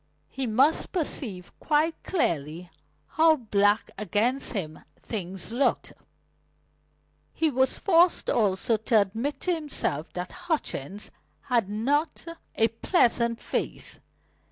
He must perceive quite clearly how black against him things looked. He was forced also to admit to himself that Hutchings had not a pleasant face.